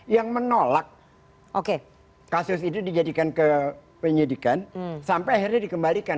yang menolak kasus itu dijadikan kepenyidikan sampai akhirnya dikembalikan